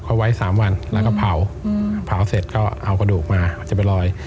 เขาไว้๓วันแล้วก็เผาเผาเสร็จก็เอากระดูกมาจะไปลอย